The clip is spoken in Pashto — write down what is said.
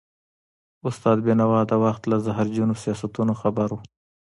استاد بينوا د وخت له زهرجنو سیاستونو خبر و.